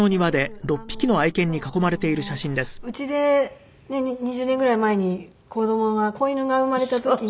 家で２０年ぐらい前に子犬が生まれた時に。